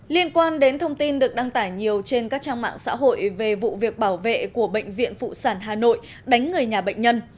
liên quan đến thông tin được đăng tải nhiều trên các trang mạng xã hội về vụ việc bảo vệ của bệnh viện phụ sản hà nội đánh người nhà bệnh nhân